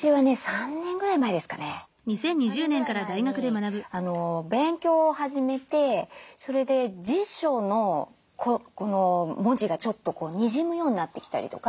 ３年ぐらい前に勉強を始めてそれで辞書の文字がちょっとにじむようになってきたりとか。